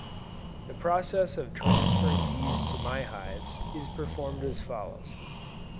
The process of transferring bees to my hives, is performed as follows.